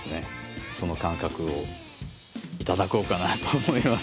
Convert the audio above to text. その感覚を頂こうかなと思います。